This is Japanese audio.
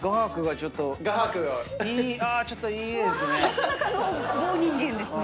ちょっといい絵ですね。